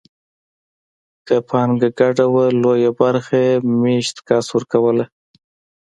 که پانګه ګډه وه لویه برخه یې مېشت کس ورکوله.